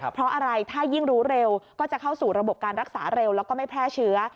เพราะอะไรถ้ายิ่งรู้เร็วก็จะเข้าสู่ระบบการรักษาเร็วแล้วก็ไม่แพร่เชื้อ